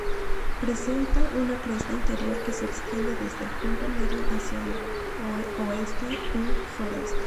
Presenta una cresta interior que se extiende desde el punto medio hacia el oeste-suroeste.